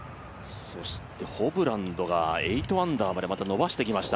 ホブランドが８アンダーまでまた伸ばしてきました。